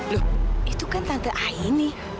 loh itu kan tante aini